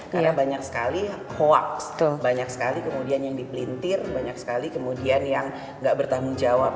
karena banyak sekali hoax banyak sekali kemudian yang dipelintir banyak sekali kemudian yang gak bertanggung jawab